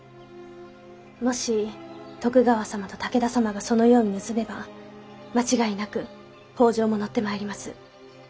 もし徳川様と武田様がそのように結べば間違いなく北条も乗ってまいります。